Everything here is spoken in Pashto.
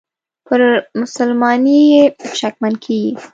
پر مسلماني یې شکمن کیږي.